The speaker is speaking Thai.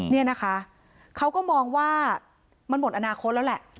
นี่นะคะเขาก็มองว่ามันหมดอนาคตแล้วแหละ